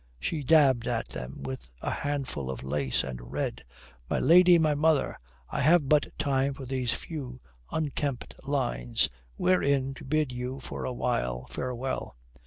She dabbed at them with a handful of lace, and read: "My lady, my mother, I have but time for these few unkempt lines, wherein to bid you for a while farewell.